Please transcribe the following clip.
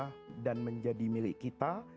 masih ada dan menjadi milik kita